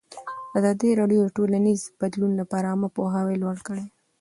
ازادي راډیو د ټولنیز بدلون لپاره عامه پوهاوي لوړ کړی.